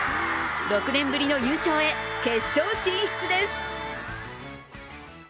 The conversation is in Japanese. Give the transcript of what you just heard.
６年ぶりの優勝へ、決勝進出です。